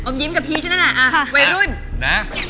อมยิ๋มกับพีชนั่นหน่ะอ่าเวยรุ่น